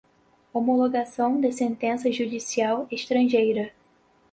homologação de sentença judicial estrangeira